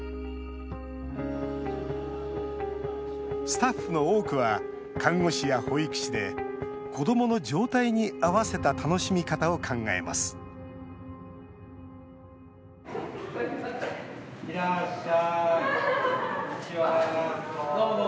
スタッフの多くは看護師や保育士で子どもの状態に合わせた楽しみ方を考えますいらっしゃい、こんにちは。